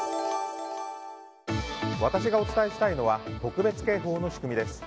私がお伝えしたいのは特別警報の仕組みです。